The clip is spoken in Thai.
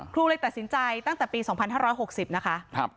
ครูเลยตัดสินใจตั้งแต่ปี๒๕๖๐นะคะ